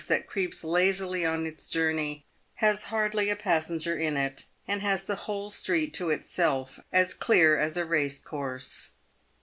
that creeps lazily on its journey lias hardly a passenger in it, and has the whole street to itself as clear as a race course.